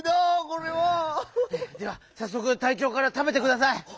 これは！ではさっそくたいちょうからたべてください！